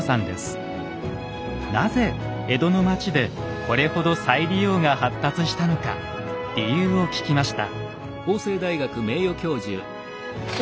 なぜ江戸の町でこれほど再利用が発達したのか理由を聞きました。